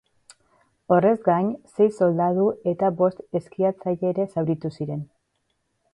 Horrez gain, sei soldadu eta bost eskiatzaile ere zauritu ziren.